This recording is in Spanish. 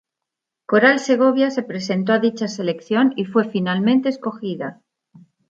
Coral Segovia se presentó a dicha selección y fue finalmente escogida.